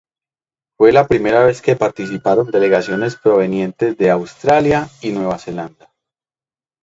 Fue la primera vez que participaron delegaciones provenientes de Australia y Nueva Zelanda.